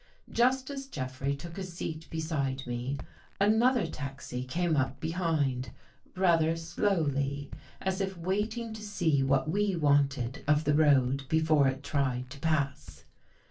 Just as Jeffrey took his seat beside me, another taxi came up behind, rather slowly, as if waiting to see what we wanted of the road before it tried to pass.